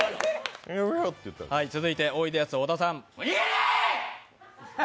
続いておいでやす小田さん。